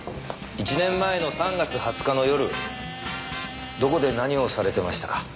１年前の３月２０日の夜どこで何をされてましたか？